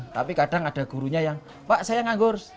tapi kadang ada gurunya yang pak saya nganggur